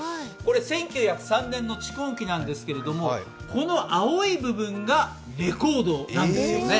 １９０３年の蓄音機なんですがこの青い部分がレコードなんですよね。